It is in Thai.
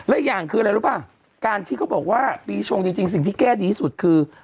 และอีกอย่างคืออะไรรู้ป่ะการที่เขาบอกว่าปีชงจริงสิ่งที่แก้ดีที่สุดคือ